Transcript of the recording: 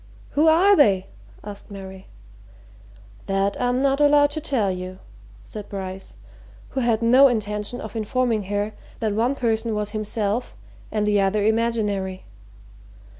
"Who are they?" asked Mary. "That I'm not allowed to tell you," said Bryce, who had no intention of informing her that one person was himself and the other imaginary.